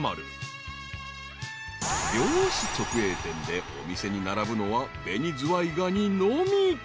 ［漁師直営店でお店に並ぶのは紅ズワイガニのみ］